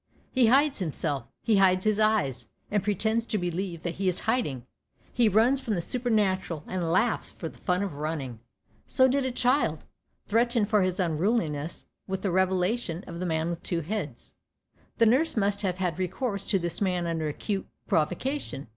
He hides himself, he hides his eyes and pretends to believe that he is hiding, he runs from the supernatural and laughs for the fun of running. So did a child, threatened for his unruliness with the revelation of the man with two heads. The nurse must have had recourse to this man under acute provocation.